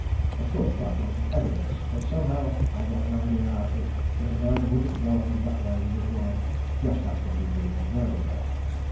Of course that wasn't evidence, but somehow I got an idea out of it that a man wouldn't go on in that way with his wife just after he'd been and murdered her.